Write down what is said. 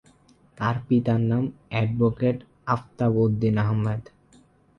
তার পিতার নাম অ্যাডভোকেট আফতাব উদ্দীন আহমেদ।